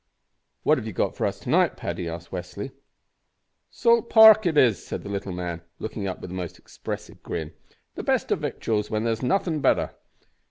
"What have you got for us to night, Paddy?" asked Westly. "Salt pork it is," said the little man, looking up with a most expressive grin; "the best o' victuals when there's nothin' better.